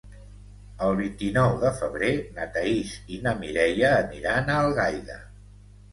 El vint-i-nou de febrer na Thaís i na Mireia aniran a Algaida.